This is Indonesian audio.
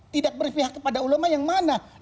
tidak berpihak kepada ulama yang mana